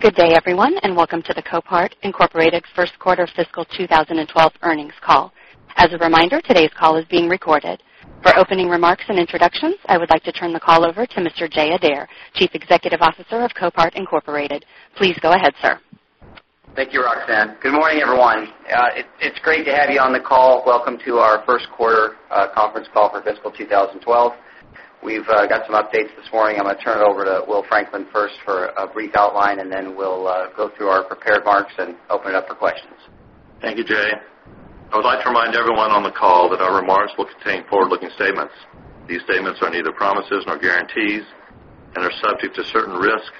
Good day, everyone, and welcome to the Copart, Incorporated. first quarter fiscal 2012 earnings call. As a reminder, today's call is being recorded. For opening remarks and introductions, I would like to turn the call over to Mr. Jay Adair, Chief Executive Officer of Copart, Inc. Please go ahead, sir. Thank you, Roxanne. Good morning, everyone. It's great to have you on the call. Welcome to our first quarter conference call for fiscal 2012. We've got some updates this morning. I'm going to turn it over to Will Franklin first for a brief outline, and then we'll go through our prepared remarks and open it up for questions. Thank you, Jay. I would like to remind everyone on the call that our remarks will contain forward-looking statements. These statements are neither promises nor guarantees and are subject to certain risks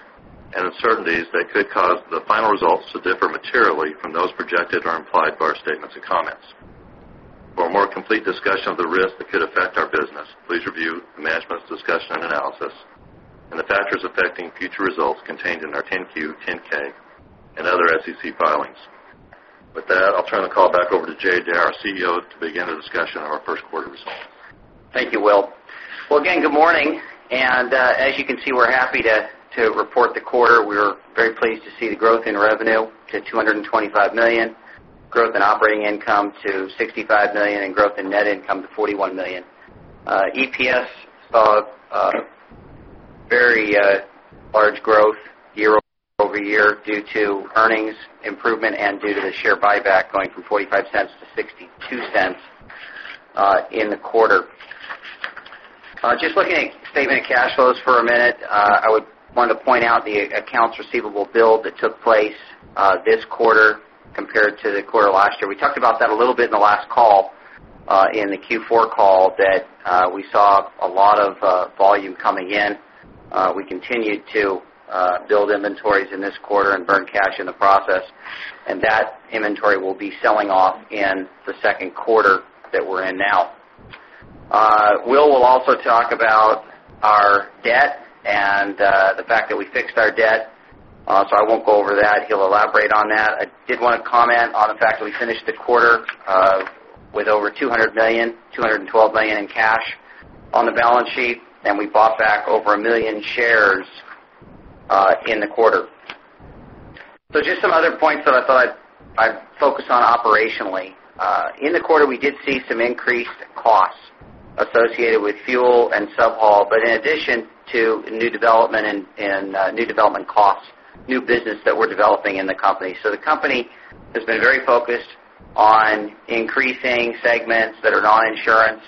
and uncertainties that could cause the final results to differ materially from those projected or implied by our statements and comments. For a more complete discussion of the risks that could affect our business, please review the management's discussion and analysis and the factors affecting future results contained in our 10-Q, 10-K, and other SEC filings. With that, I'll turn the call back over to Jay Adair, our CEO, to begin the discussion on our first quarter results. Thank you, Will. Good morning. As you can see, we're happy to report the quarter. We're very pleased to see the growth in revenue to $225 million, growth in operating income to $65 million, and growth in net income to $41 million. EPS saw very large growth year over year due to earnings improvement and due to the share buyback going from $0.45 to $0.62 in the quarter. Just looking at saving cash flows for a minute, I would want to point out the accounts receivable build that took place this quarter compared to the quarter last year. We talked about that a little bit in the last call, in the Q4 call, that we saw a lot of volume coming in. We continued to build inventories in this quarter and burn cash in the process, and that inventory will be selling off in the second quarter that we're in now. Will will also talk about our debt and the fact that we fixed our debt, so I won't go over that. He'll elaborate on that. I did want to comment on the fact that we finished the quarter with over $200 million, $212 million in cash on the balance sheet, and we bought back over a million shares in the quarter. Just some other points that I thought I'd focus on operationally. In the quarter, we did see some increased costs associated with fuel and sub-haul, but in addition to new development and new development costs, new business that we're developing in the company. The company has been very focused on increasing segments that are non-insurance.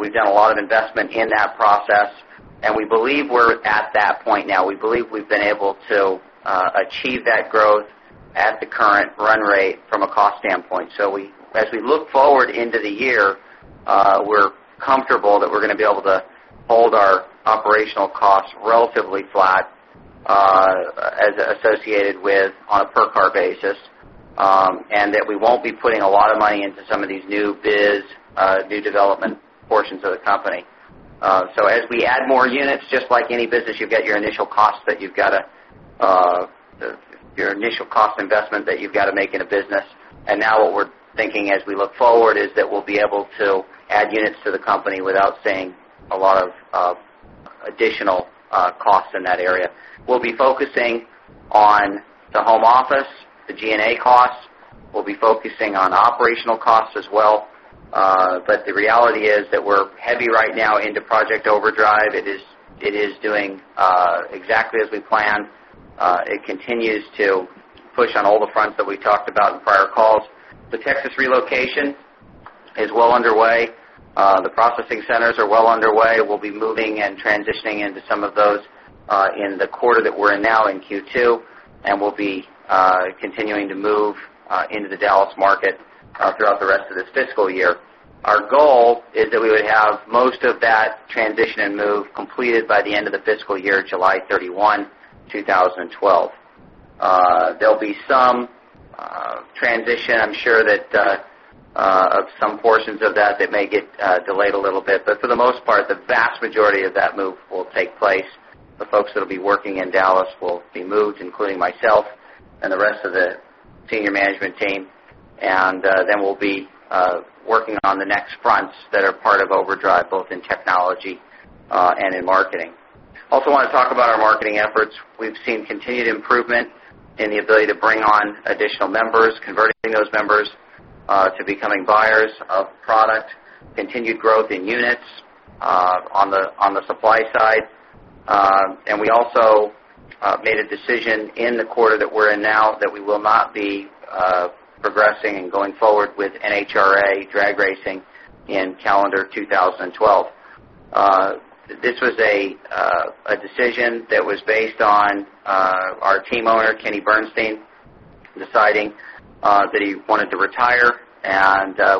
We've done a lot of investment in that process, and we believe we're at that point now. We believe we've been able to achieve that growth at the current run rate from a cost standpoint. As we look forward into the year, we're comfortable that we're going to be able to hold our operational costs relatively flat as associated with on a per-car basis and that we won't be putting a lot of money into some of these new biz, new development portions of the company. As we add more units, just like any business, you've got your initial costs that you've got to, your initial cost investment that you've got to make in a business. Now what we're thinking as we look forward is that we'll be able to add units to the company without seeing a lot of additional costs in that area. We'll be focusing on the home office, the G&A costs. We'll be focusing on operational costs as well. The reality is that we're heavy right now into Project Overdrive. It is doing exactly as we planned. It continues to push on all the fronts that we talked about in prior calls. The Texas relocation is well underway. The processing centers are well underway. We'll be moving and transitioning into some of those in the quarter that we're in now, in Q2, and we'll be continuing to move into the Dallas market throughout the rest of this fiscal year. Our goal is that we would have most of that transition and move completed by the end of the fiscal year, July 31, 2012. There'll be some transition, I'm sure, of some portions of that that may get delayed a little bit. For the most part, the vast majority of that move will take place. The folks that'll be working in Dallas will be moved, including myself and the rest of the Senior Management team. We'll be working on the next fronts that are part of Project Overdrive, both in technology and in marketing. I also want to talk about our marketing efforts. We've seen continued improvement in the ability to bring on additional members, converting those members to becoming buyers of product, continued growth in units on the supply side. We also made a decision in the quarter that we're in now that we will not be progressing and going forward with NHRA drag racing in calendar 2012. This was a decision that was based on our team owner, Kenny Bernstein, deciding that he wanted to retire.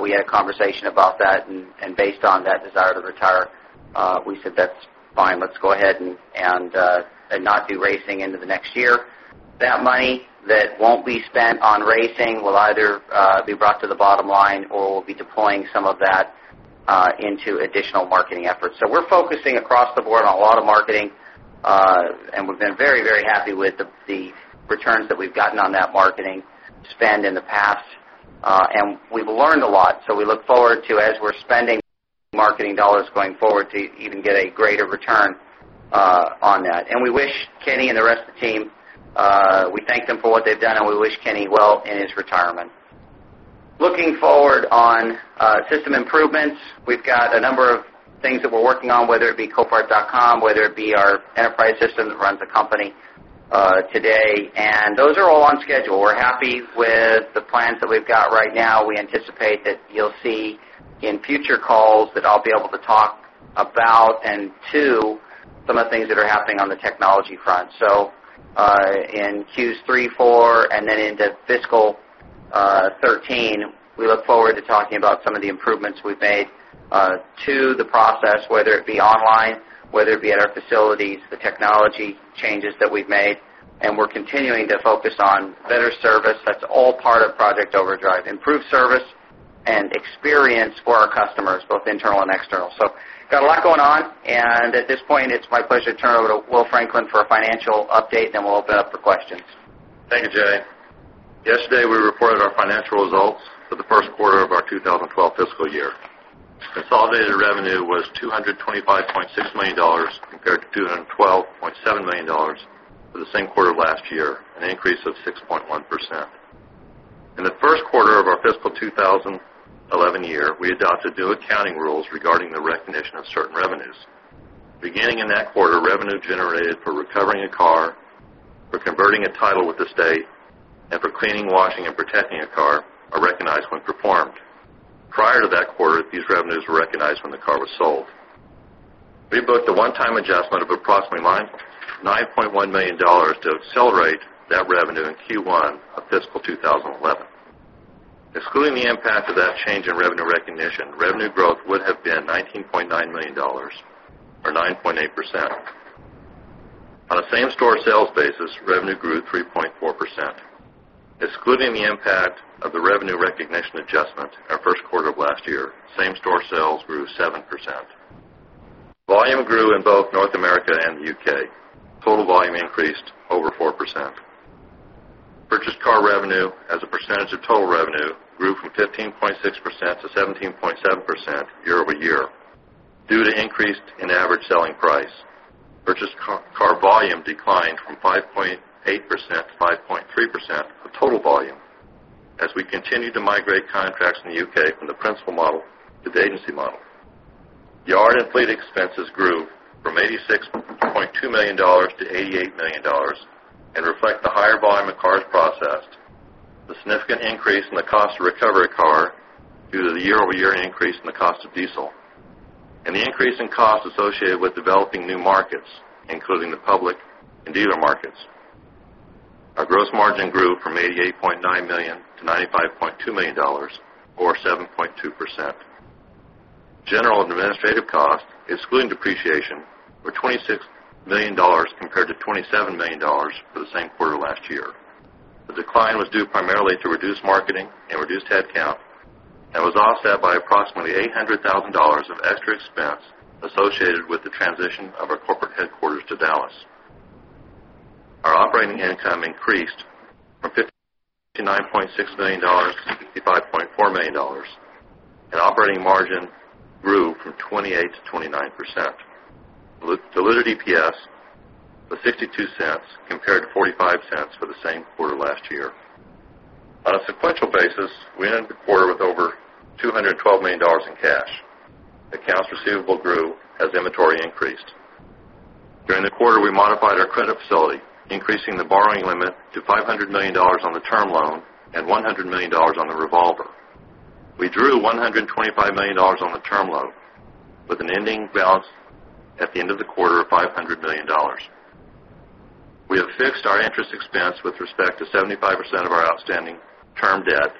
We had a conversation about that, and based on that desire to retire, we said, "That's fine. Let's go ahead and not do racing into the next year." That money that won't be spent on racing will either be brought to the bottom line or we'll be deploying some of that into additional marketing efforts. We're focusing across the board on a lot of marketing, and we've been very, very happy with the returns that we've gotten on that marketing spend in the past. We've learned a lot. We look forward to, as we're spending marketing dollars going forward, to even get a greater return on that. We wish Kenny and the rest of the team, we thank them for what they've done, and we wish Kenny well in his retirement. Looking forward on system improvements, we've got a number of things that we're working on, whether it be copart.com, whether it be our enterprise system that runs the company today. Those are all on schedule. We're happy with the plans that we've got right now. We anticipate that you'll see in future calls that I'll be able to talk about and to some of the things that are happening on the technology front. In Q3, Q4, and then into fiscal 2013, we look forward to talking about some of the improvements we've made to the process, whether it be online, whether it be at our facilities, the technology changes that we've made. We're continuing to focus on better service. That's all part of Project Overdrive, improved service and experience for our customers, both internal and external. I've got a lot going on. At this point, it's my pleasure to turn it over to Will Franklin for a financial update, and then we'll open it up for questions. Thank you, Jay. Yesterday, we reported our financial results for the first quarter of our 2012 fiscal year. Consolidated revenue was $225.6 million compared to $212.7 million for the same quarter of last year, an increase of 6.1%. In the first quarter of our fiscal 2011 year, we adopted new accounting rules regarding the recognition of certain revenues. Beginning in that quarter, revenue generated for recovering a car, for converting a title with the state, and for cleaning, washing, and protecting a car are recognized when performed. Prior to that quarter, these revenues were recognized when the car was sold. We booked a one-time adjustment of approximately $9.1 million to accelerate that revenue in Q1 of fiscal 2011. Excluding the impact of that change in revenue recognition, revenue growth would have been $19.9 million or 9.8%. On a same-store sales basis, revenue grew 3.4%. Excluding the impact of the revenue recognition adjustment in our first quarter of last year, same-store sales grew 7%. Volume grew in both North America and the UK. Total volume increased over 4%. Purchased car revenue, as a percentage of total revenue, grew from 15.6%-17.7% year over year due to increase in average selling price. Purchased car volume declined from 5.8%-5.3% of total volume as we continued to migrate contracts in the UK from the principal model to the agency model. Yard and fleet expenses grew from $86.2 million to $88 million and reflect the higher volume of cars processed, a significant increase in the cost of recovery car due to the year-over-year increase in the cost of diesel, and the increase in costs associated with developing new markets, including the public and dealer markets. Our gross margin grew from $88.9 million to $95.2 million or 7.2%. General and administrative costs, excluding depreciation, were $26 million compared to $27 million for the same quarter last year. The decline was due primarily to reduced marketing and reduced headcount and was offset by approximately $800,000 of extra expense associated with the transition of our corporate headquarters to Dallas. Our operating income increased from $59.6-$55.4 million, and operating margin grew from 28%-29%. The diluted EPS was $0.52 compared to $0.45 for the same quarter last year. On a sequential basis, we ended the quarter with over $212 million in cash. Accounts receivable grew as inventory increased. During the quarter, we modified our credit facility, increasing the borrowing limit to $500 million on the term loan and $100 million on the revolver. We drew $125 million on the term loan with an ending balance at the end of the quarter of $500 million. We have fixed our interest expense with respect to 75% of our outstanding term debt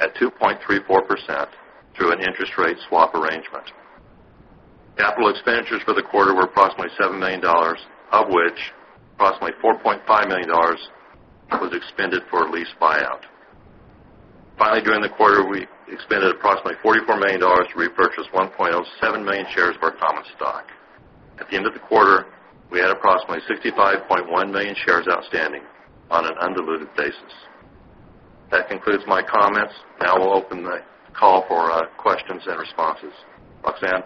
at 2.34% through an interest rate swap arrangement. Capital expenditures for the quarter were approximately $7 million, of which approximately $4.5 million was expended for a lease buyout. Finally, during the quarter, we expended approximately $44 million to repurchase 1.07 million shares of our common stock. At the end of the quarter, we had approximately 65.1 million shares outstanding on an undiluted basis. That concludes my comments. Now we'll open the call for questions and responses. Roxanne?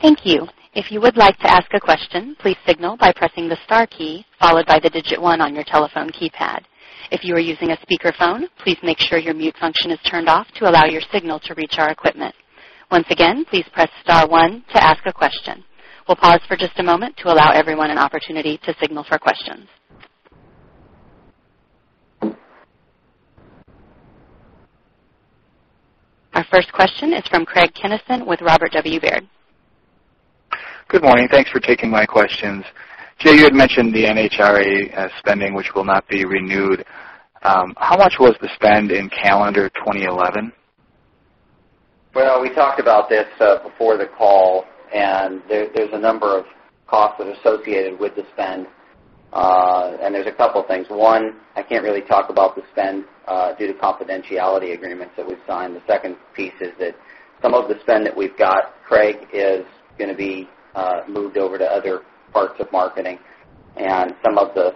Thank you. If you would like to ask a question, please signal by pressing the star key followed by the digit one on your telephone keypad. If you are using a speakerphone, please make sure your mute function is turned off to allow your signal to reach our equipment. Once again, please press star one to ask a question. We'll pause for just a moment to allow everyone an opportunity to signal for questions. Our first question is from Craig Kennison with Robert W. Baird. Good morning. Thanks for taking my questions. Jay, you had mentioned the NHRA spending, which will not be renewed. How much was the spend in calendar 2011? We talked about this before the call, and there's a number of costs that are associated with the spend. There's a couple of things. One, I can't really talk about the spend due to confidentiality agreements that we've signed. The second piece is that some of the spend that we've got, Craig, is going to be moved over to other parts of marketing, and some of the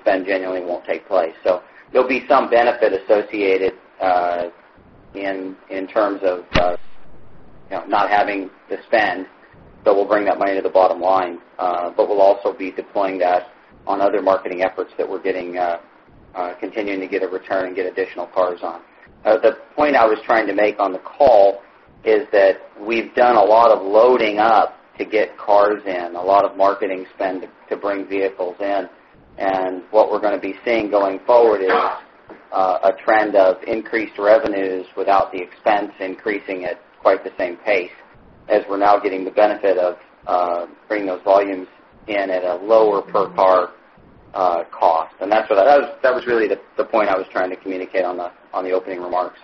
spend genuinely won't take place. There'll be some benefit associated in terms of us not having to spend, and we'll bring that money to the bottom line. We'll also be deploying that on other marketing efforts that we're continuing to get a return and get additional cars on. The point I was trying to make on the call is that we've done a lot of loading up to get cars in, a lot of marketing spend to bring vehicles in. What we're going to be seeing going forward is a trend of increased revenues without the expense increasing at quite the same pace as we're now getting the benefit of bringing those volumes in at a lower per-car cost. That was really the point I was trying to communicate on the opening remarks.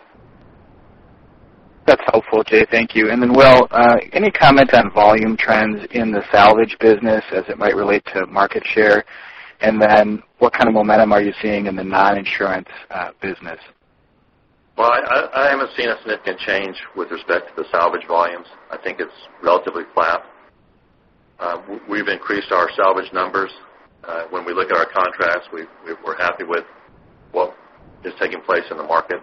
That's helpful, Jay. Thank you. Will, any comments on volume trends in the salvage business as it might relate to market share? What kind of momentum are you seeing in the non-insurance business? I am seeing a significant change with respect to the salvage volumes. I think it's relatively flat. We've increased our salvage numbers. When we look at our contracts, we're happy with what is taking place in the market.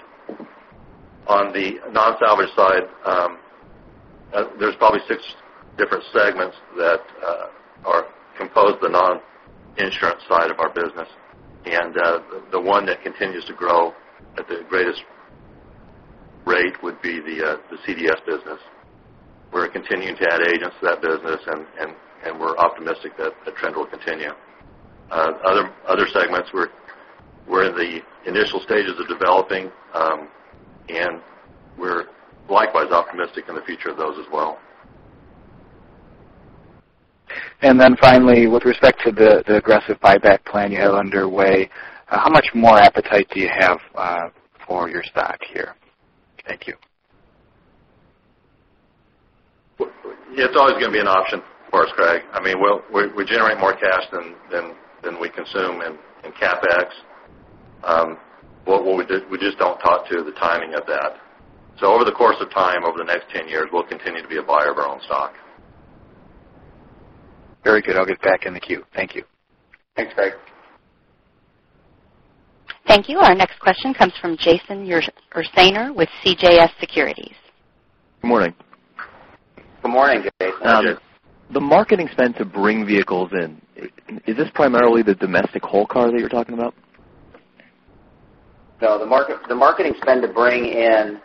On the non-salvage side, there's probably six different segments that are composed of the non-insurance side of our business. The one that continues to grow at the greatest rate would be the Copart Direct (CDS) business. We're continuing to add agents to that business, and we're optimistic that that trend will continue. Other segments, we're in the initial stages of developing, and we're likewise optimistic in the future of those as well. With respect to the aggressive buyback plan you have underway, how much more appetite do you have for your stock here? Thank you. Yeah, it's always going to be an option for us, Craig. I mean, we're generating more cash than we consume in CapEx. We just don't talk to the timing of that. Over the course of time, over the next 10 years, we'll continue to be a buyer of our own stock. Very good. I'll get back in the queue. Thank you. Thanks, Craig. Thank you. Our next question comes from Jason Ursaner with CJS Securities. Good morning. Good morning, Jay. How are you? The marketing spend to bring vehicles in, is this primarily the domestic whole car that you're talking about? No, the marketing spend to bring in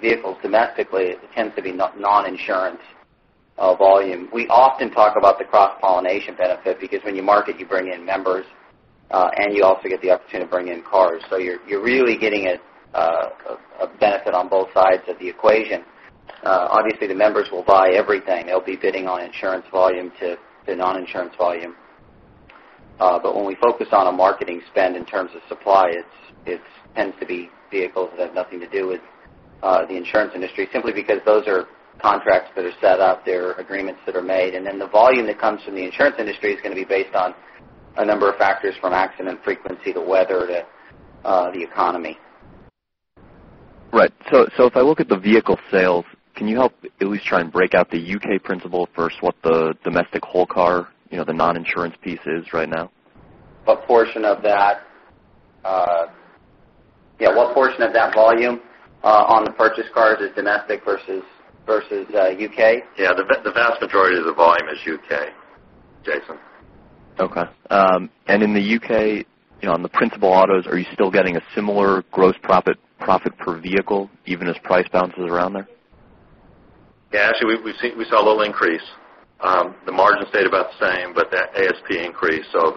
vehicles domestically tends to be non-insurance volume. We often talk about the cross-pollination benefit because when you market, you bring in members, and you also get the opportunity to bring in cars. You're really getting a benefit on both sides of the equation. Obviously, the members will buy everything. They'll be bidding on insurance volume to non-insurance volume. When we focus on a marketing spend in terms of supply, it tends to be vehicles that have nothing to do with the insurance industry simply because those are contracts that are set up, there are agreements that are made. The volume that comes from the insurance industry is going to be based on a number of factors from accident frequency, the weather, the economy. Right. If I look at the vehicle sales, can you help at least try and break out the UK principal versus what the domestic whole car, you know, the non-insurance piece is right now? What portion of that volume on the purchased cars is domestic versus UK? Yeah, the vast majority of the volume is UK, Jason. Okay. In the UK, on the principal autos, are you still getting a similar gross profit per vehicle even as price bounces around there? Yeah, actually, we saw a little increase. The margin stayed about the same, but that ASP increased, so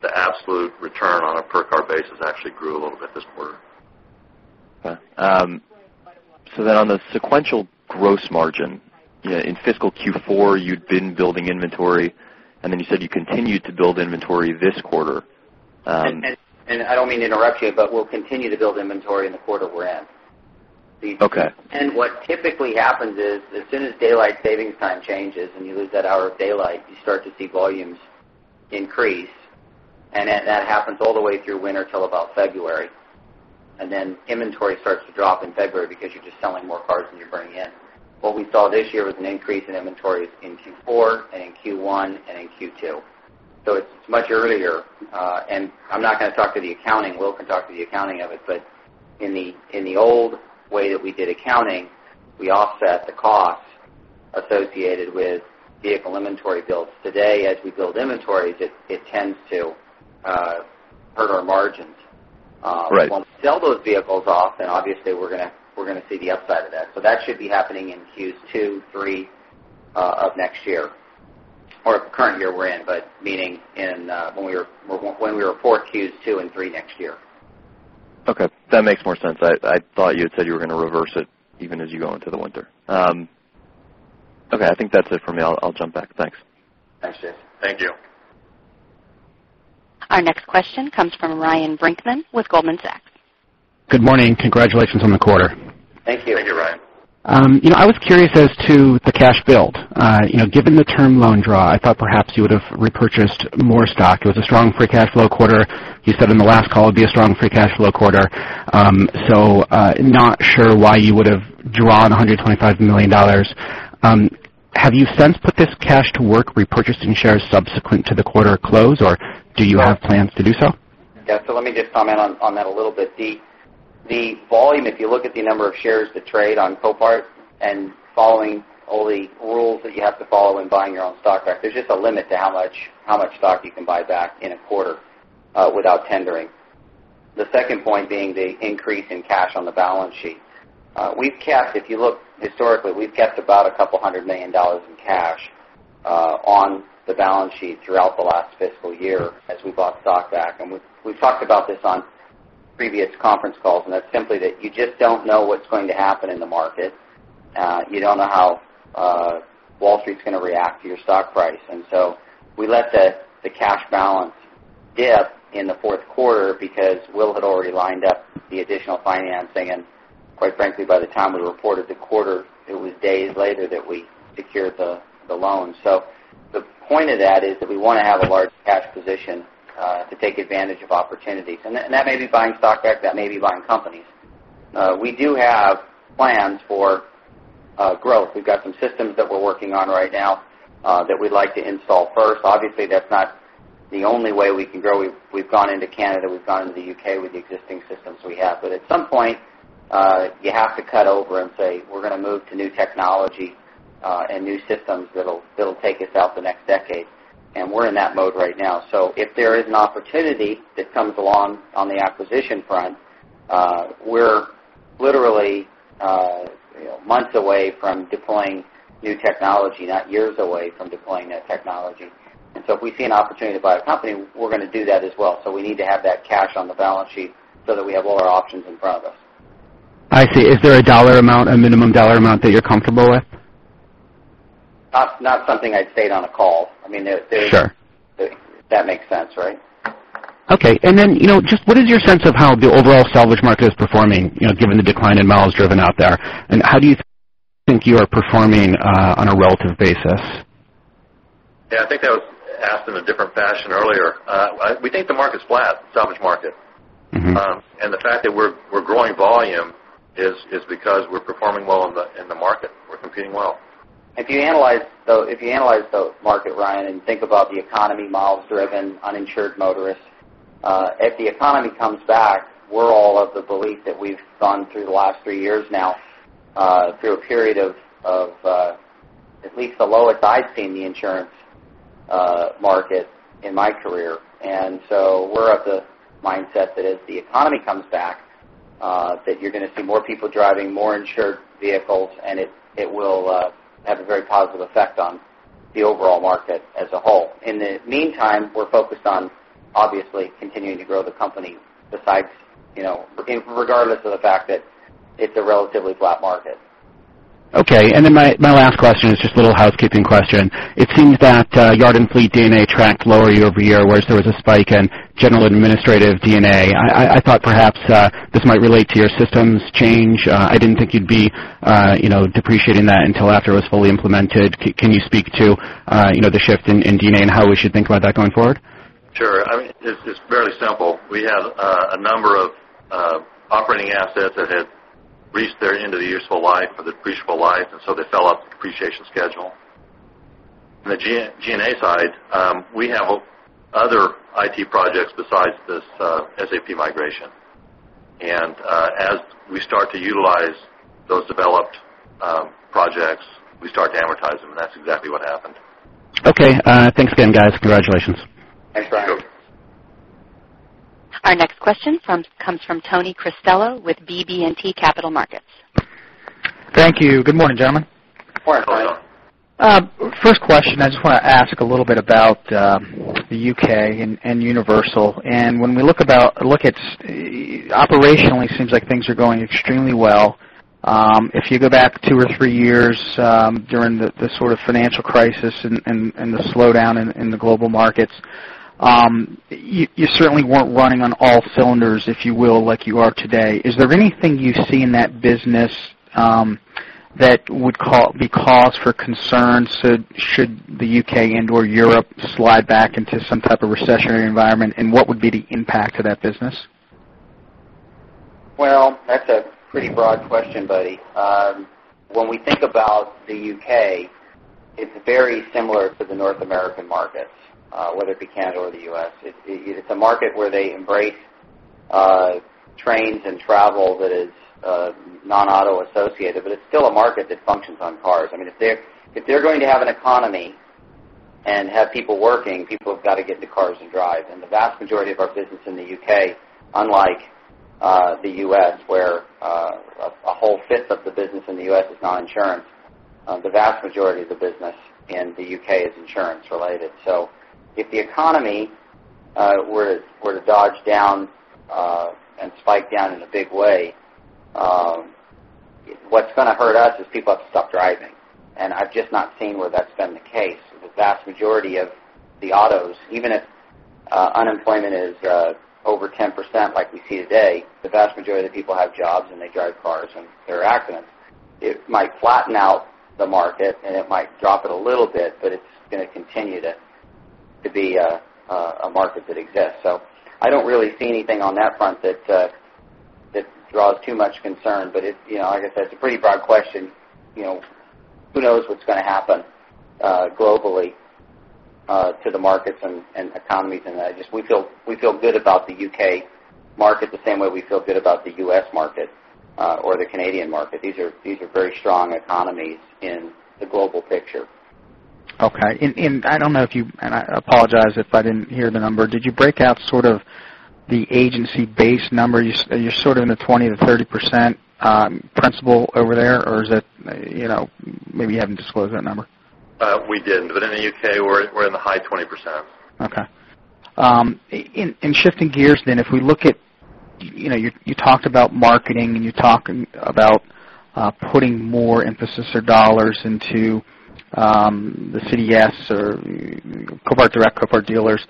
the absolute return on a per-car basis actually grew a little bit this quarter. Okay. On the sequential gross margin, you know, in fiscal Q4, you'd been building inventory, and then you said you continued to build inventory this quarter. I don't mean to interrupt you, but we'll continue to build inventory in the quarter we're in. What typically happens is as soon as daylight savings time changes and you lose that hour of daylight, you start to see volumes increase. That happens all the way through winter till about February. Inventory starts to drop in February because you're just selling more cars than you're bringing in. What we saw this year was an increase in inventories in Q4, Q1, and Q2. It's much earlier. I'm not going to talk to the accounting. Will can talk to the accounting of it. In the old way that we did accounting, we offset the costs associated with vehicle inventory builds. Today, as we build inventories, it tends to hurt our margins. We won't sell those vehicles off, and obviously, we're going to see the upside of that. That should be happening in Q2 and Q3 of next year, or current year we're in, meaning when we report Q2 and Q3 next year. Okay, that makes more sense. I thought you had said you were going to reverse it even as you go into the winter. Okay, I think that's it for me. I'll jump back. Thanks. Thanks, Jason. Thank you. Our next question comes from Ryan Brinkman with Goldman Sachs. Good morning. Congratulations on the quarter. I was curious as to the cash build. Given the term loan draw, I thought perhaps you would have repurchased more stock. It was a strong free cash flow quarter. You said in the last call it would be a strong free cash flow quarter. I am not sure why you would have drawn $125 million. Have you since put this cash to work repurchasing shares subsequent to the quarter close, or do you have plans to do so? Yeah. Let me just comment on that a little bit. The volume, if you look at the number of shares to trade on Copart and following all the rules that you have to follow when buying your own stock back, there's just a limit to how much stock you can buy back in a quarter without tendering. The second point being the increase in cash on the balance sheet. If you look historically, we've kept about a couple hundred million dollars in cash on the balance sheet throughout the last fiscal year as we bought stock back. We've talked about this on previous conference calls, and that's simply that you just don't know what's going to happen in the market. You don't know how Wall Street's going to react to your stock price. We let the cash balance dip in the fourth quarter because Will had already lined up the additional financing. Quite frankly, by the time we reported the quarter, it was days later that we secured the loan. The point of that is that we want to have a large cash position to take advantage of opportunities. That may be buying stock back. That may be buying companies. We do have plans for growth. We've got some systems that we're working on right now that we'd like to install first. Obviously, that's not the only way we can grow. We've gone into Canada. We've gone into the UK with the existing systems we have. At some point, you have to cut over and say, "We're going to move to new technology and new systems that'll take us out the next decade." We're in that mode right now. If there is an opportunity that comes along on the acquisition front, we're literally months away from deploying new technology, not years away from deploying that technology. If we see an opportunity to buy a company, we're going to do that as well. We need to have that cash on the balance sheet so that we have all our options in front of us. I see. Is there a dollar amount, a minimum dollar amount that you're comfortable with? Not something I'd state on a call. I mean, sure, if that makes sense, right? Okay. What is your sense of how the overall salvage market is performing, given the decline in miles driven out there? How do you think you are performing on a relative basis? Yeah, I think I was asked in a different fashion earlier. We think the market's flat, the salvage market. The fact that we're growing volume is because we're performing well in the market. We're competing well. If you analyze the market, Ryan, and think about the economy, miles driven, uninsured motorists, if the economy comes back, we're all of the belief that we've gone through the last three years now, through a period of at least the lowest I've seen the insurance market in my career. We're of the mindset that if the economy comes back, you're going to see more people driving more insured vehicles, and it will have a very positive effect on the overall market as a whole. In the meantime, we're focused on obviously continuing to grow the company besides, you know, regardless of the fact that it's a relatively flat market. Okay. My last question is just a little housekeeping question. It seemed that yard and fleet D&A tracked lower year over year, whereas there was a spike in general administrative D&A. I thought perhaps this might relate to your systems change. I didn't think you'd be, you know, depreciating that until after it was fully implemented. Can you speak to, you know, the shift in D&A and how we should think about that going forward? Sure. I mean, it's fairly simple. We had a number of operating assets that had reached their end of the useful life or the depreciable life, and so they fell off the depreciation schedule. On the G&A side, we have other IT projects besides this SAP migration. As we start to utilize those developed projects, we start to amortize them. That's exactly what happened. Okay. Thanks, guys. Congratulations. Thanks, guys. Our next question comes from Tony Cristello with BB&T Capital Markets. Thank you. Good morning, gentlemen. Morning. First question, I just want to ask a little bit about the UK and Universal. When we look at operationally, it seems like things are going extremely well. If you go back two or three years during the sort of financial crisis and the slowdown in the global markets, you certainly weren't running on all cylinders, if you will, like you are today. Is there anything you see in that business that would be cause for concern? Should the UK and/or Europe just slide back into some type of recessionary environment, what would be the impact to that business? That's a pretty broad question, buddy. When we think about the UK, it's very similar to the North American markets, whether it be Canada or the U.S. It's a market where they embrace trains and travel that is non-auto associated, but it's still a market that functions on cars. I mean, if they're going to have an economy and have people working, people have got to get into cars and drive. The vast majority of our business in the UK, unlike the U.S., where a whole fifth of the business in the U.S. is non-insurance, the vast majority of the business in the UK is insurance-related. If the economy were to dodge down and spike down in a big way, what's going to hurt us is people have to stop driving. I've just not seen where that's been the case. The vast majority of the autos, even if unemployment is over 10% like we see today, the vast majority of the people have jobs and they drive cars and they're accurate. It might flatten out the market and it might drop it a little bit, but it's going to continue to be a market that exists. I don't really see anything on that front that draws too much concern. It's, you know, like I said, a pretty broad question. Who knows what's going to happen globally to the markets and economies? I just, we feel good about the UK market the same way we feel good about the U.S. market or the Canadian market. These are very strong economies in the global picture. Okay. I apologize if I didn't hear the number. Did you break out sort of the agency-based numbers? You're sort of in the 20%-30% principal over there, or is that, you know, maybe you haven't disclosed that number? We didn't. Within the UK, we're in the high 20%. Okay. Shifting gears then, if we look at, you know, you talked about marketing and you're talking about putting more emphasis or dollars into the Copart Direct, Copart dealers.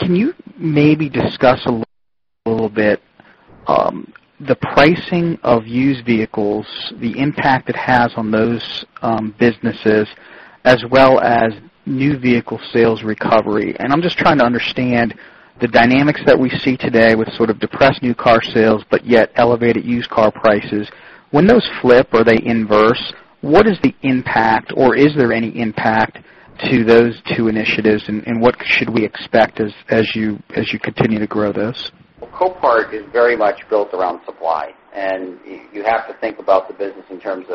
Can you maybe discuss a little bit the pricing of used vehicles, the impact it has on those businesses, as well as new vehicle sales recovery? I'm just trying to understand the dynamics that we see today with sort of depressed new car sales, yet elevated used car prices. When those flip or they inverse, what is the impact, or is there any impact to those two initiatives? What should we expect as you continue to grow this? Copart is very much built around supply. You have to think about the business in terms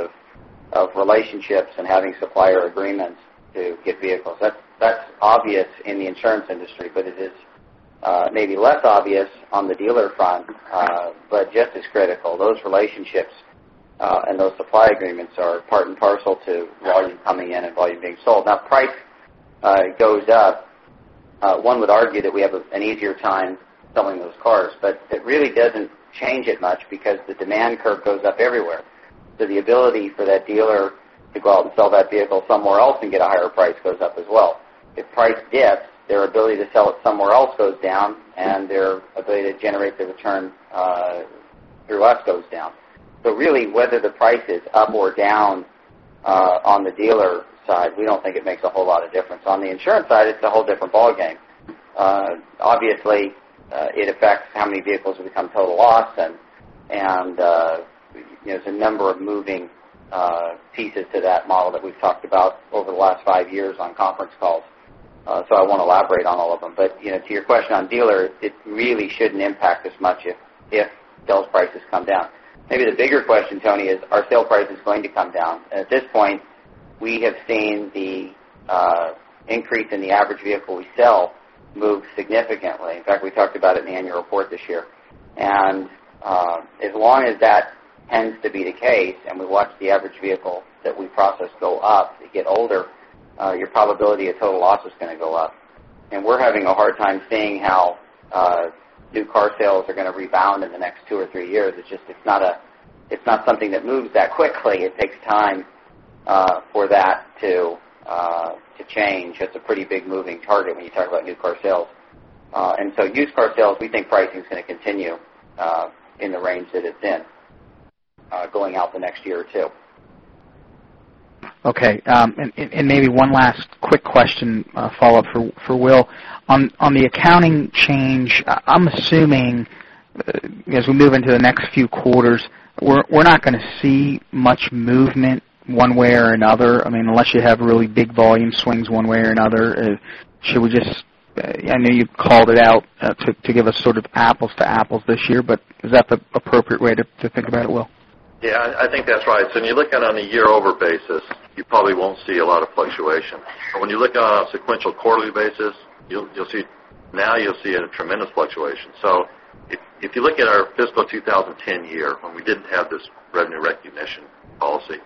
of relationships and having supplier agreements to get vehicles. That's obvious in the insurance industry, but it is maybe less obvious on the dealer front, but just as critical. Those relationships and those supply agreements are part and parcel to volume coming in and volume being sold. Now, price goes up. One would argue that we have an easier time selling those cars, but it really doesn't change it much because the demand curve goes up everywhere. The ability for that dealer to go out and sell that vehicle somewhere else and get a higher price goes up as well. If price dips, their ability to sell it somewhere else goes down, and their ability to generate the return through us goes down. Really, whether the price is up or down on the dealer side, we don't think it makes a whole lot of difference. On the insurance side, it's a whole different ballgame. Obviously, it affects how many vehicles will become total loss. There are a number of moving pieces to that model that we've talked about over the last five years on conference calls. I won't elaborate on all of them. To your question on dealer, it really shouldn't impact as much if those prices come down. Maybe the bigger question, Tony, is, are sale prices going to come down? At this point, we have seen the increase in the average vehicle we sell move significantly. In fact, we talked about it in the annual report this year. As long as that tends to be the case, and we watch the average vehicle that we process go up, they get older, your probability of total loss is going to go up. We're having a hard time seeing how new car sales are going to rebound in the next two or three years. It's just not something that moves that quickly. It takes time for that to change. That's a pretty big moving target when you talk about new car sales. Used car sales, we think pricing is going to continue in the range that it's in going out the next year or two. Okay. Maybe one last quick question, follow-up for Will. On the accounting change, I'm assuming as we move into the next few quarters, we're not going to see much movement one way or another. I mean, unless you have really big volume swings one way or another. Should we just, I know you called it out to give us sort of apples to apples this year, but is that the appropriate way to think about it, Will? Yeah, I think that's right. When you look at it on a year-over basis, you probably won't see a lot of fluctuation. When you look at it on a sequential quarterly basis, you'll see now you'll see a tremendous fluctuation. If you look at our fiscal 2010 year, when we didn't have this revenue recognition policy,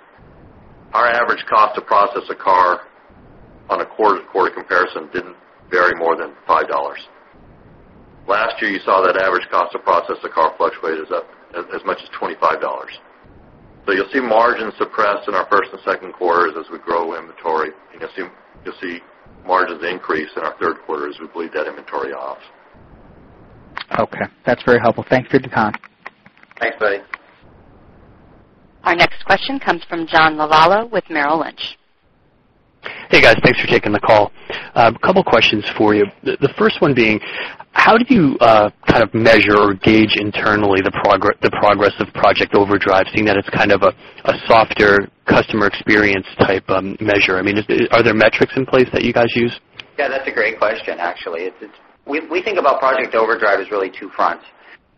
our average cost to process a car on a quarter-to-quarter comparison didn't vary more than $5. Last year, you saw that average cost to process a car fluctuated as much as $25. You'll see margins suppressed in our first and second quarters as we grow inventory. You'll see margins increase in our third quarter as we bleed that inventory off. Okay. That's very helpful. Thanks for your time. Thanks, buddy. Our next question comes from John Lovallo with Merrill Lynch. Hey, guys. Thanks for taking the call. A couple of questions for you. The first one being, how do you kind of measure or gauge internally the progress of Project Overdrive, seeing that it's kind of a softer customer experience type measure? I mean, are there metrics in place that you guys use? Yeah, that's a great question, actually. We think about Project Overdrive as really two fronts.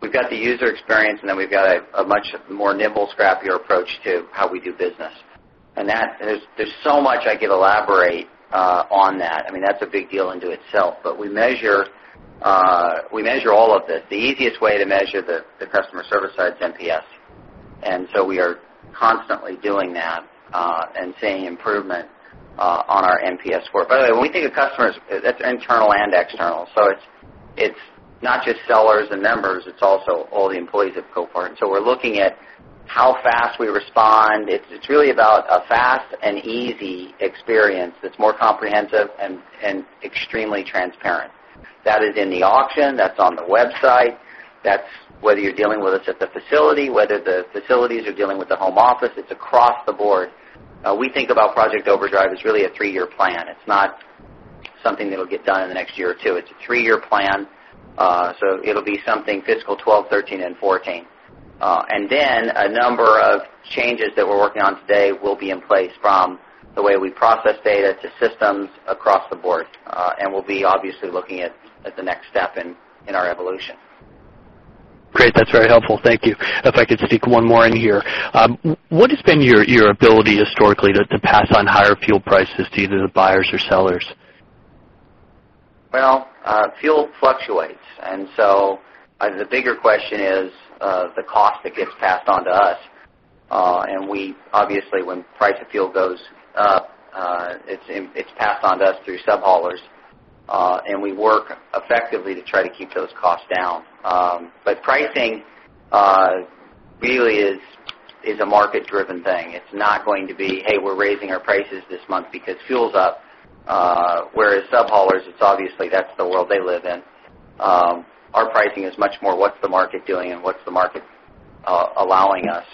We've got the user experience, and then we've got a much more nimble, scrappier approach to how we do business. There's so much I could elaborate on that. I mean, that's a big deal in itself. We measure all of this. The easiest way to measure the customer service side is NPS. We are constantly doing that and seeing improvement on our NPS score. By the way, when we think of customers, that's internal and external. It's not just sellers and members. It's also all the employees at Copart. We're looking at how fast we respond. It's really about a fast and easy experience that's more comprehensive and extremely transparent. That is in the auction, that's on the website, that's whether you're dealing with us at the facility, whether the facilities are dealing with the home office. It's across the board. We think about Project Overdrive as really a three-year plan. It's not something that'll get done in the next year or two. It's a three-year plan. It'll be something fiscal 2012, 2013, and 2014. A number of changes that we're working on today will be in place from the way we process data to systems across the board. We'll be obviously looking at the next step in our evolution. Great. That's very helpful. Thank you. If I could sneak one more in here, what has been your ability historically to pass on higher fuel prices to either the buyers or sellers? Fuel fluctuates. The bigger question is the cost that gets passed on to us. Obviously, when the price of fuel goes up, it's passed on to us through subhaulers. We work effectively to try to keep those costs down. Pricing really is a market-driven thing. It's not going to be, "Hey, we're raising our prices this month because fuel's up." Whereas subhaulers, it's obviously that's the world they live in. Our pricing is much more what's the market doing and what's the market allowing us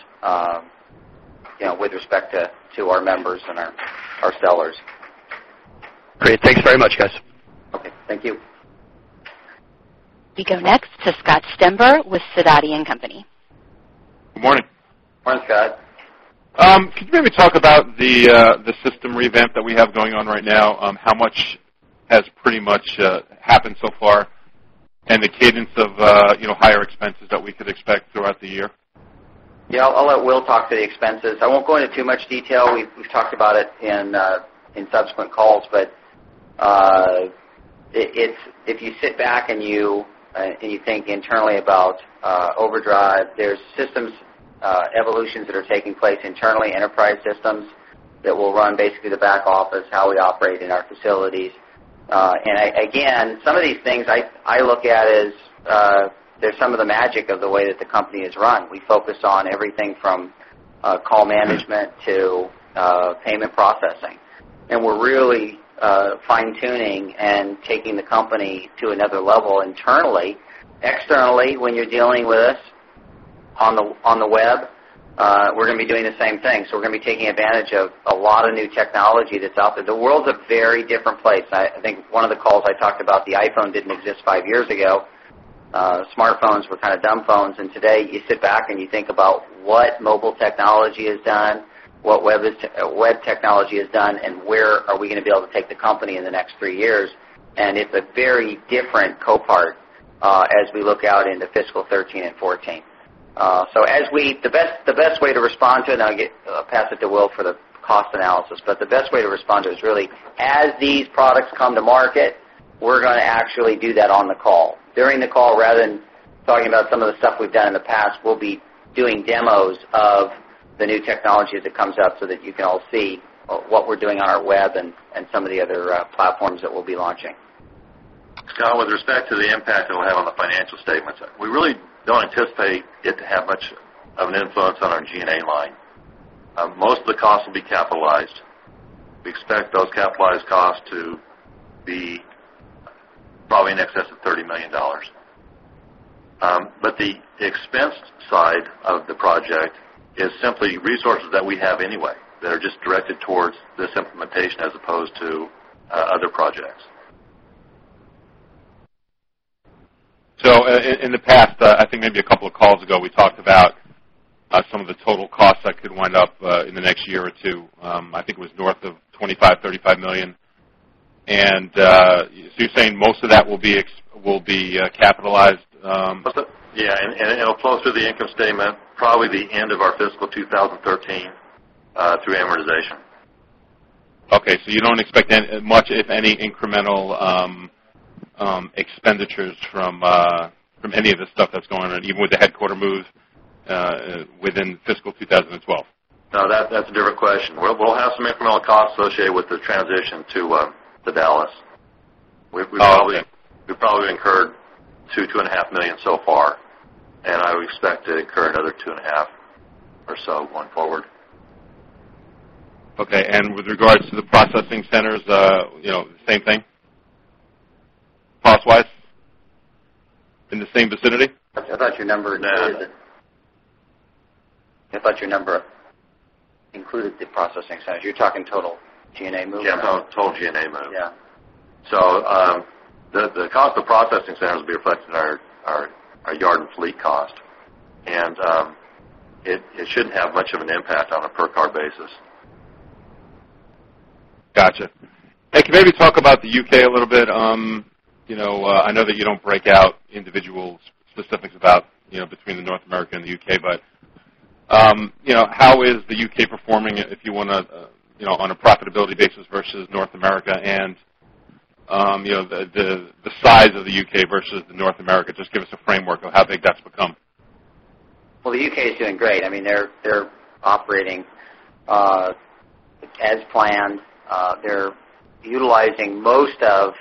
with respect to our members and our sellers. Great. Thanks very much, guys. Okay, thank you. We go next to Scott Stember with Sidoti & Company. Good morning. Morning, Scott. Today we talk about the system revamp that we have going on right now, how much has pretty much happened so far, and the cadence of higher expenses that we could expect throughout the year. Yeah, I'll let Will talk to the expenses. I won't go into too much detail. We've talked about it in subsequent calls. If you sit back and you think internally about Overdrive, there are systems evolutions that are taking place internally, enterprise systems that will run basically the back office, how we operate in our facilities. Some of these things I look at as some of the magic of the way that the company is run. We focus on everything from call management to payment processing. We're really fine-tuning and taking the company to another level internally. Externally, when you're dealing with us on the web, we're going to be doing the same thing. We're going to be taking advantage of a lot of new technology that's out there. The world's a very different place. I think one of the calls I talked about, the iPhone didn't exist five years ago. Smartphones were kind of dumb phones. Today, you sit back and you think about what mobile technology has done, what web technology has done, and where we're going to be able to take the company in the next three years. It's a very different Copart as we look out into fiscal 2013 and 2014. The best way to respond to it, and I'll pass it to Will for the cost analysis, is really, as these products come to market, we're going to actually do that on the call. During the call, rather than talking about some of the stuff we've done in the past, we'll be doing demos of the new technology as it comes up so that you can all see what we're doing on our web and some of the other platforms that we'll be launching. With respect to the impact that we'll have on the financial statements, we really don't anticipate it to have much of an influence on our G&A line. Most of the costs will be capitalized. We expect those capitalized costs to be probably in excess of $30 million. The expense side of the project is simply resources that we have anyway that are just directed towards this implementation as opposed to other projects. In the past, I think maybe a couple of calls ago, we talked about some of the total costs that could wind up in the next year or two. I think it was north of $25 million, $35 million. You're saying most of that will be capitalized. It'll flow through the income statement, probably the end of our fiscal 2013 through amortization. Okay, you don't expect much, if any, incremental expenditures from any of the stuff that's going on, even with the headquarter move within fiscal 2012? No, that's a different question. We'll have some incremental costs associated with the transition to Dallas. We probably incurred $2 million, $2.5 million so far. I would expect to incur another $2.5 million or so going forward. Okay. With regards to the processing centers, you know, the same thing cost-wise in the same vicinity? I thought your number included the processing centers. You're talking total G&A move, right? Yeah, total G&A move. Yeah. The cost of processing centers will be reflected in our yard and fleet cost. It shouldn't have much of an impact on a per-car basis. Gotcha. Hey, can we maybe talk about the UK a little bit? I know that you don't break out individual specifics about between the North America and the UK, but how is the UK performing if you want to, on a profitability basis versus North America and the size of the UK versus North America? Just give us a framework of how big that's become. The UK is doing great. I mean, they're operating as planned. They're utilizing most of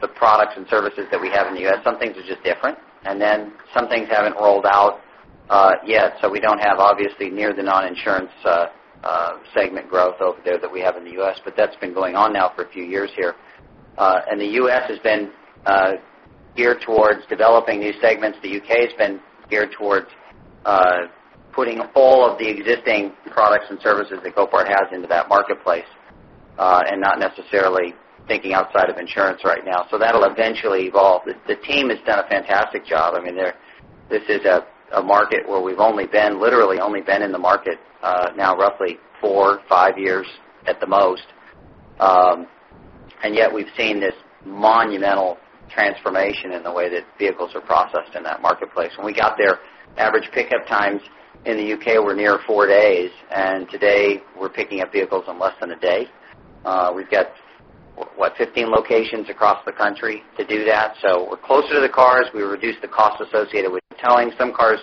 the products and services that we have in the U.S. Some things are just different, and then some things haven't rolled out yet. We don't have, obviously, near the non-insurance segment growth over there that we have in the U.S., but that's been going on now for a few years here. The U.S. has been geared towards developing these segments. The UK has been geared towards putting all of the existing products and services that Copart has into that marketplace and not necessarily thinking outside of insurance right now. That'll eventually evolve. The team has done a fantastic job. I mean, this is a market where we've only been, literally only been in the market now roughly four, five years at the most, and yet we've seen this monumental transformation in the way that vehicles are processed in that marketplace. When we got there, average pickup times in the UK were near four days, and today, we're picking up vehicles in less than a day. We've got, what, 15 locations across the country to do that, so we're closer to the cars. We reduce the costs associated with towing. Some cars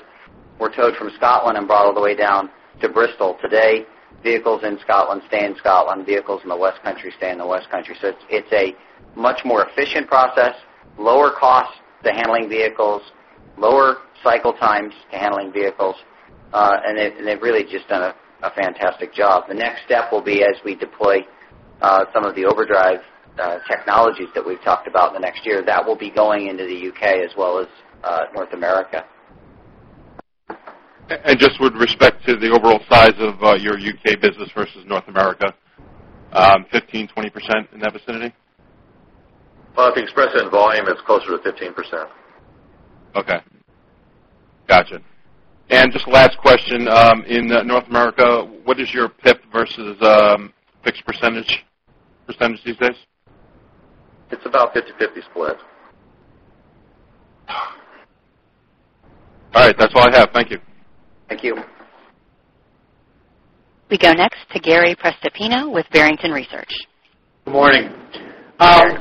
were towed from Scotland and brought all the way down to Bristol. Today, vehicles in Scotland stay in Scotland. Vehicles in the West Country stay in the West Country. It's a much more efficient process, lower costs to handling vehicles, lower cycle times to handling vehicles. They've really just done a fantastic job. The next step will be as we deploy some of the Overdrive technologies that we've talked about in the next year. That will be going into the UK as well as North America. With respect to the overall size of your UK business versus North America, 15%, 20% in that vicinity? I think expressive volume is closer to 15%. Okay. Gotcha. Just the last question. In North America, what is your PIP versus fixed percentage do you think? It's about 50/50 split. All right. That's all I have. Thank you. Thank you. We go next to Gary Prestopino with Barrington Research. Good morning. Good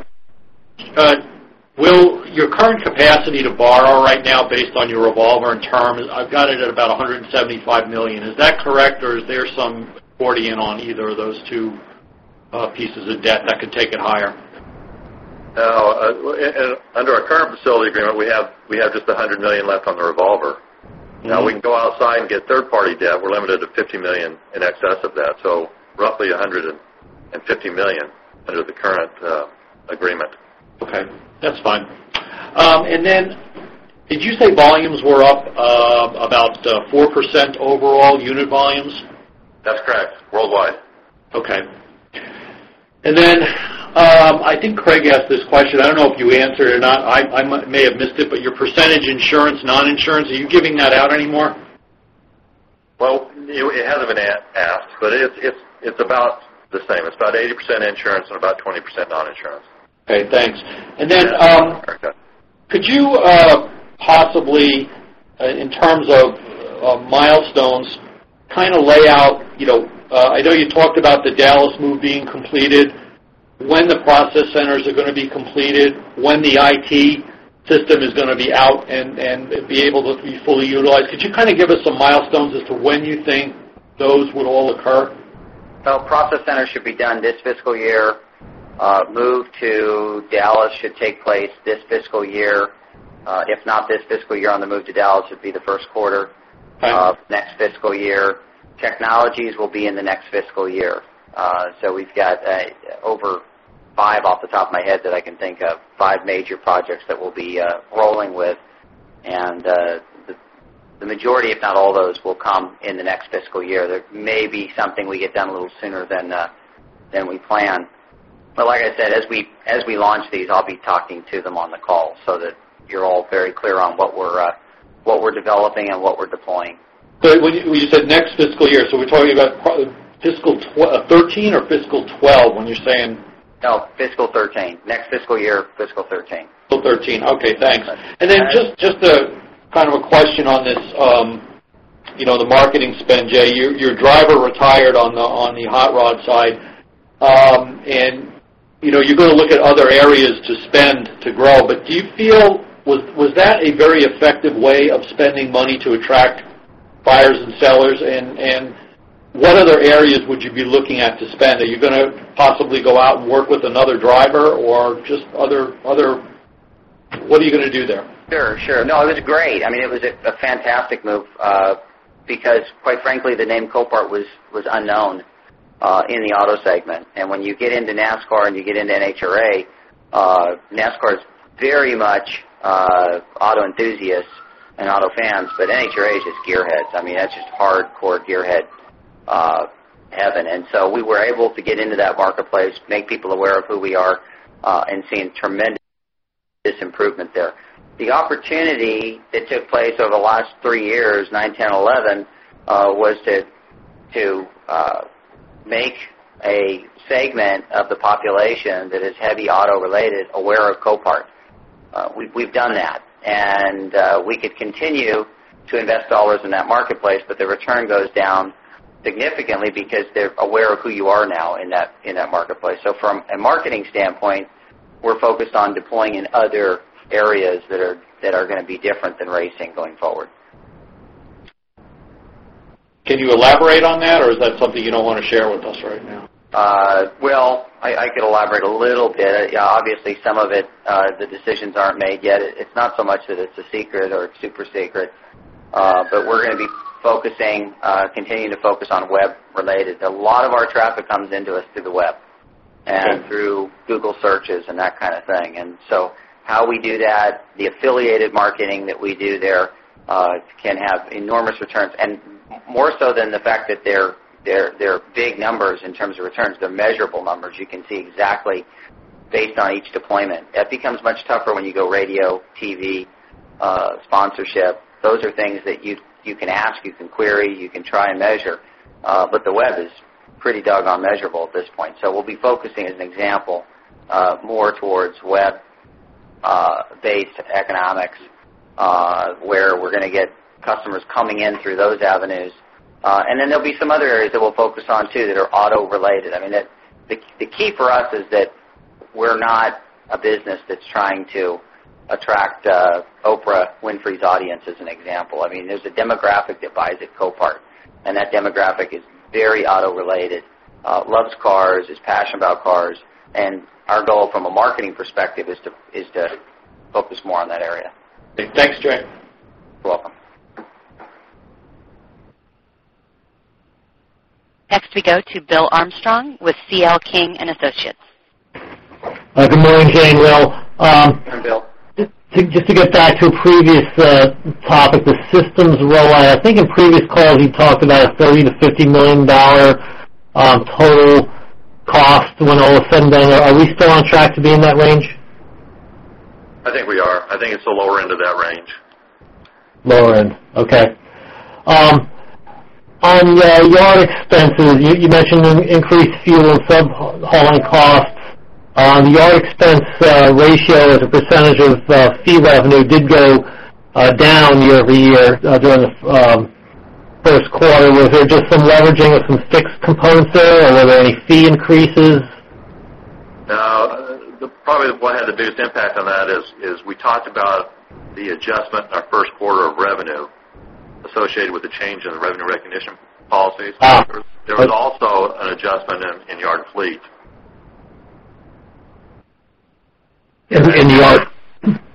morning. Will, your current capacity to borrow right now based on your revolver in terms, I've got it at about $175 million. Is that correct, or is there some accordion on either of those two pieces of debt that could take it higher? Oh, under our current credit facility agreement, we have just $100 million left on the revolver. Now, we can go outside and get third-party debt. We're limited to $50 million in excess of that, so roughly $150 million under the current agreement. Okay. That's fine. Did you say volumes were up about 4% overall unit volumes? That's correct, worldwide. Okay. I think Craig asked this question. I don't know if you answered it or not. I may have missed it, but your percentage insurance, non-insurance, are you giving that out anymore? It hasn't been asked, but it's about the same. It's about 80% insurance and about 20% non-insurance. Okay. Thanks. Could you possibly, in terms of milestones, kind of lay out, you know, I know you talked about the Dallas move being completed, when the process centers are going to be completed, when the IT system is going to be out and be able to be fully utilized. Could you kind of give us some milestones as to when you think those would all occur? Process centers should be done this fiscal year. The move to Dallas should take place this fiscal year. If not this fiscal year, the move to Dallas would be the first quarter of next fiscal year. Technologies will be in the next fiscal year. We've got over five off the top of my head that I can think of, five major projects that we'll be rolling with. The majority, if not all of those, will come in the next fiscal year. There may be something we get done a little sooner than we planned. Like I said, as we launch these, I'll be talking to them on the call so that you're all very clear on what we're developing and what we're deploying. When you said next fiscal year, are we talking about fiscal 2013 or fiscal 2012 when you're saying? No, fiscal 2013. Next fiscal year, fiscal 2013. Fiscal 2013. Okay. Thanks. Just a kind of a question on this, you know, the marketing spend, Jay. Your driver retired on the NHRA drag racing side. You know, you're going to look at other areas to spend to grow. Do you feel was that a very effective way of spending money to attract buyers and sellers? What other areas would you be looking at to spend? Are you going to possibly go out and work with another driver or just other what are you going to do there? Sure. No, it was great. I mean, it was a fantastic move because, quite frankly, the name Copart was unknown in the auto segment. When you get into NASCAR and you get into NHRA, NASCAR is very much auto enthusiasts and auto fans. NHRA is just gearheads. I mean, that's just hardcore gearhead heaven. We were able to get into that marketplace, make people aware of who we are, and seeing tremendous improvement there. The opportunity that took place over the last three years, 2009, 2010, 2011, was to make a segment of the population that is heavy auto-related aware of Copart. We've done that. We could continue to invest dollars in that marketplace, but the return goes down significantly because they're aware of who you are now in that marketplace. From a marketing standpoint, we're focused on deploying in other areas that are going to be different than racing going forward. Can you elaborate on that, or is that something you don't want to share with us right now? I could elaborate a little bit. Obviously, some of it, the decisions aren't made yet. It's not so much that it's a secret or it's super secret. We're going to be continuing to focus on web-related. A lot of our traffic comes into us through the web and through Google searches and that kind of thing. How we do that, the affiliated marketing that we do there can have enormous returns. More so than the fact that they're big numbers in terms of returns, they're measurable numbers. You can see exactly based on each deployment. That becomes much tougher when you go radio, TV, sponsorship. Those are things that you can ask. You can query. You can try and measure. The web is pretty doggone measurable at this point. We'll be focusing, as an example, more towards web-based economics where we're going to get customers coming in through those avenues. There'll be some other areas that we'll focus on too that are auto-related. The key for us is that we're not a business that's trying to attract Oprah Winfrey's audience as an example. There's a demographic that buys at Copart. That demographic is very auto-related, loves cars, is passionate about cars. Our goal from a marketing perspective is to focus more on that area. Thanks, Jay. You're welcome. Next, we go to Bill Armstrong with CL King & Associates. Good morning, Jay and Will. Just to get back to a previous topic with systems rollout, I think in previous calls you talked about $30-$50 million total costs when all is said and done. Are we still on track to be in that range? I think we are. I think it's the lower end of that range. Lower end. Okay. On your expenses, you mentioned increased fuel and petrol costs. On the yard expense ratio, the percentage of C revenue did go down year over year during the first quarter. Was there just some leveraging with some structure components there? Or were there any fee increases? Probably the one that had the biggest impact on that is we talked about the adjustment in our first quarter of revenue associated with the change in the revenue recognition policies. There was also an adjustment in yard and fleet. In the yard.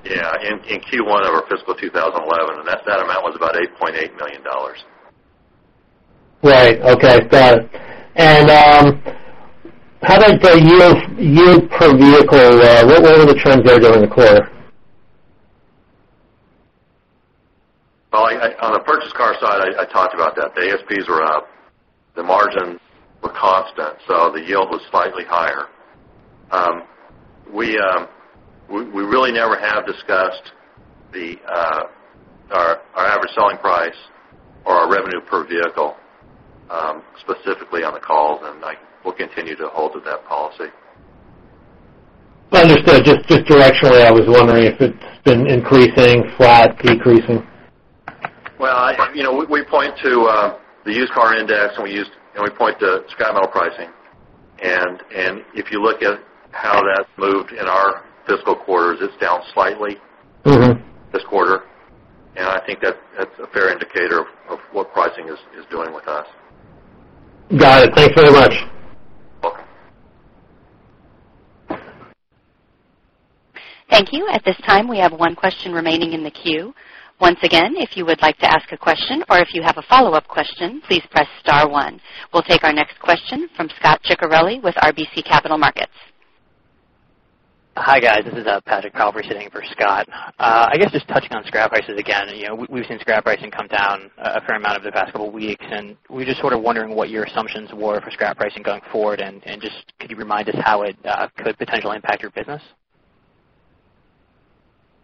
Yeah, in Q1 of our fiscal 2011, that amount was about $8.8 million. Right. Okay. Thanks. How did your particular revenue return go during the quarter? On the purchase car side, I talked about that. The ASPs were up, the margins were constant, so the yield was slightly higher. We really never have discussed our average selling price or our revenue per vehicle specifically on the calls, and we'll continue to hold to that policy. For the fiscal XRA, I was wondering if it's been increasing, flat, or decreasing? You know, we point to the used car index, and we point to sky metal pricing. If you look at how that's moved in our fiscal quarters, it's down slightly this quarter. I think that's a fair indicator of what pricing is doing with us. Got it. Thanks very much. Thank you. At this time, we have one question remaining in the queue. Once again, if you would like to ask a question or if you have a follow-up question, please press star one. We'll take our next question from Scott Ciccarelli with RBC Capital Markets. Hi, guys. This is Patrick Palfrey sitting in for Scott. I guess just touching on scrap prices again, you know, we've seen scrap pricing come down a fair amount over the past couple of weeks. We're just sort of wondering what your assumptions were for scrap pricing going forward, and could you remind us how it could potentially impact your business?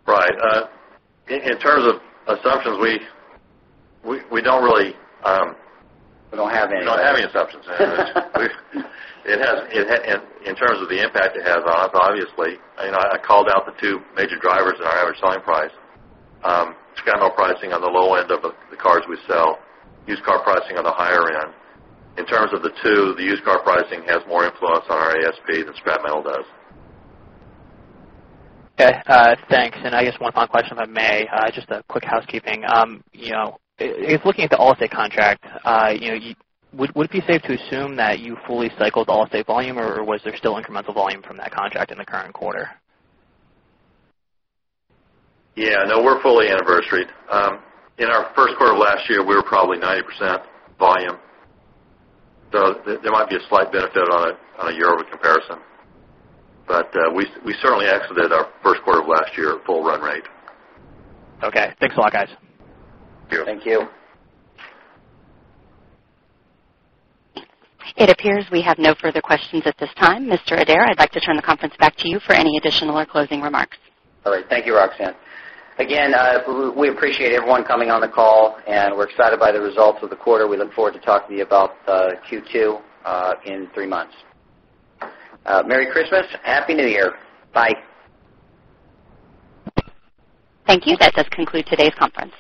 Right. In terms of assumptions, we don't really. We don't have any. We don't have any assumptions. It has, in terms of the impact it has on us, obviously, you know, I called out the two major drivers in our average selling price. Scrap metal pricing on the low end of the cars we sell, used car pricing on the higher end. In terms of the two, the used car pricing has more influence on our ASP than scrap metal does. Okay. Thanks. I guess one final question, if I may, just a quick housekeeping. If looking at the Allstate contract, would it be safe to assume that you fully cycled Allstate volume, or was there still incremental volume from that contract in the current quarter? Yeah. No, we're fully anniversaried. In our first quarter of last year, we were probably 90% volume. There might be a slight benefit on a year-over comparison, but we certainly exited our first quarter of last year at full run rate. Okay, thanks a lot, guys. Thank you. Thank you. It appears we have no further questions at this time. Mr. Adair, I'd like to turn the conference back to you for any additional or closing remarks. All right. Thank you, Roxanne. Again, we appreciate everyone coming on the call, and we're excited by the results of the quarter. We look forward to talking to you about Q2 in three months. Merry Christmas. Happy New Year. Bye. Thank you. That does conclude today's conference.